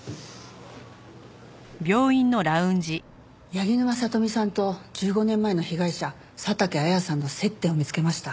柳沼聖美さんと１５年前の被害者佐竹綾さんの接点を見つけました。